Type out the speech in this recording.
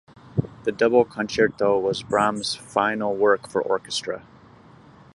The Double Concerto was Brahms' final work for orchestra.